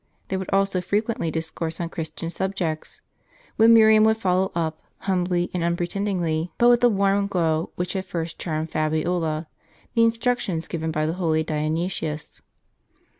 They would also frequently discourse on Christian subjects, when Miriam would follow up, humbly and unpretendingly, but with the warm glow which had first charmed Fabiola, the instruc tions given by the holy Dionysius.